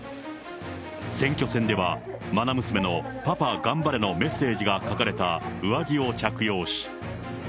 選挙戦ではまな娘のパパがんばれのメッセージが書かれた上着を着用し。